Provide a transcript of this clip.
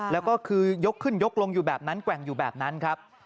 แล้วก็คือยกขึ้นยกลงอยู่แบบนั้นแกว่งอยู่แบบนั้นครับ